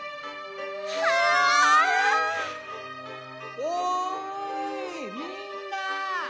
おいみんな！